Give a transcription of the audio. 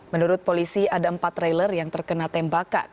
menurut polisi ada empat trailer yang terkena tembakan